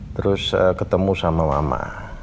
terus ketemu sama mama